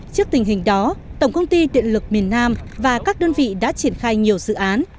trước tình hình đó tổng công ty điện lực miền nam và các đơn vị đã triển khai nhiều dự án